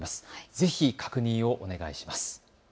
ぜひ確認をお願いします。